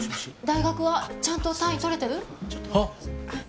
大学はちゃんと単位取れてる？あっ！